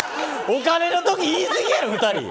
お金の時、言い過ぎやろ２人！